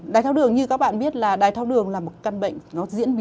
đái tháo đường như các bạn biết là đái tháo đường là một căn bệnh